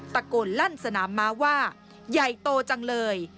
ตะโกนลั่นสนามม้าว่าใหญ่โตจังเลย